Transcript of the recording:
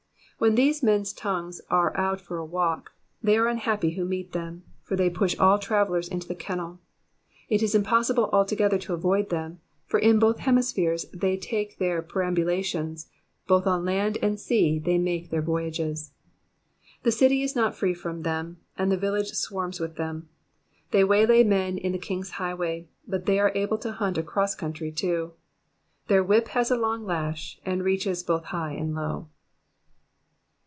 When these men's tongues are out for a walk, they are unhappy who meet them, for they push all travellers into the kennel : it is impossible altogether to avoid them, for in both hemi spheres they tjike their perambulations, both on land and sea they make their voyages. The city is not free from them, and the villasre swarms with them. They waylay men in the king's highway, but they are able to hunt across country, too. Their whip has a long lash, and reaches both high and low.